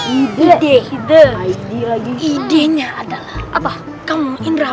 mereka mau kemana ya